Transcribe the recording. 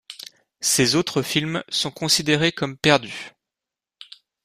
Ses autres films sont considérés comme perdus.